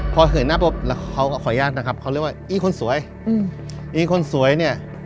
พอเหินหน้าปุ๊บแล้วเขาก็ขออนุญาตนะครับเขาเรียกว่าอีคนสวยอืมอีคนสวยเนี่ย